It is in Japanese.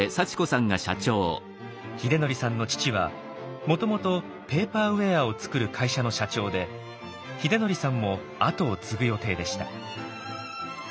秀則さんの父はもともとペーパーウエアを作る会社の社長で秀則さんも跡を継ぐ予定でした。